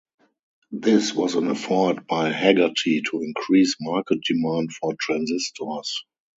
This was an effort by Haggerty to increase market demand for transistors.